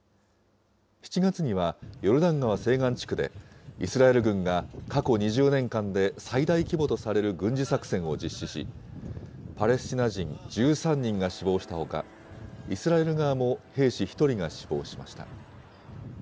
７月にはヨルダン川西岸地区で、イスラエル軍が過去２０年間で最大規模とされる軍事作戦を実施し、パレスチナ人１３人が死亡したほか、イスラエル側も、兵士１人が死亡しました。